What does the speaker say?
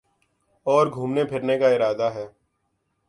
اور گھومنے پھرنے کا ارادہ ہے